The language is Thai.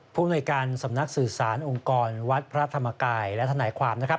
ผู้อำนวยการสำนักสื่อสารองค์กรวัดพระธรรมกายและทนายความนะครับ